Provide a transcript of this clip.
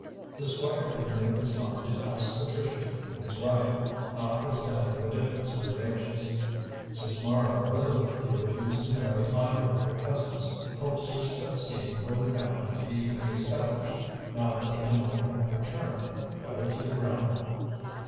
The Squire had made up his mind to ask Patricia to be his wife, notwithstanding the difference in their ages. Since Mara resolutely refused to marry either of her cousins, Colpster's pet scheme for the family to be re established, now that the emerald had returned, fell to the ground.